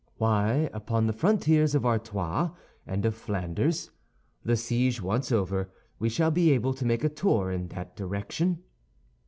"Why, upon the frontiers of Artois and of Flanders. The siege once over, we shall be able to make a tour in that direction."